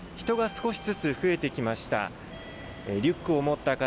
人が少しずつ増えてきました。